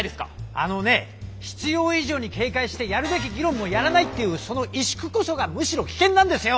あのね必要以上に警戒してやるべき議論もやらないっていうその萎縮こそがむしろ危険なんですよ！